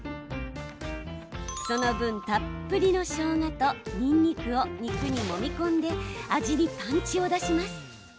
その分、たっぷりのしょうがとにんにくを肉にもみ込んで味にパンチを出します。